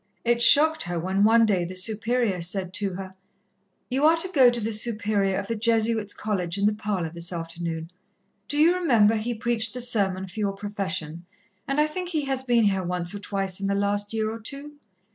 It shocked her when one day the Superior said to her: "You are to go to the Superior of the Jesuits' College in the parlour this afternoon. Do you remember, he preached the sermon for your Profession, and I think he has been here once or twice in the last year or two?